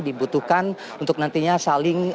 dibutuhkan untuk nantinya saling